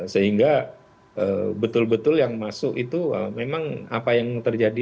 sehingga betul betul yang masuk itu memang apa yang terjadi itu memang apa yang terjadi